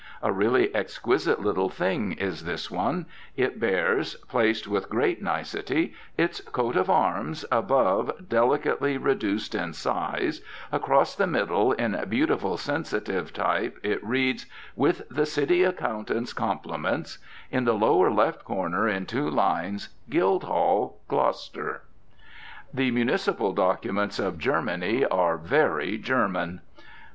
A really exquisite little thing is this one: it bears, placed with great nicety, its coat of arms above, delicately reduced in size; across the middle, in beautiful sensitive type, it reads: "With the City Accountant's Compliments"; in the lower left corner, in two lines, "Guildhall, Gloucester." The municipal documents of Germany are very German.